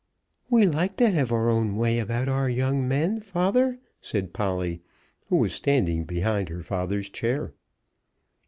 "We like to have our own way about our young men, father," said Polly, who was standing behind her father's chair.